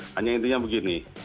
hanya intinya begini